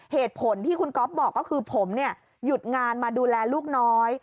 เหตุผลที่คุณก๊อฟบอกก็คือผมหยุดงานมาดูแลลูกน้อย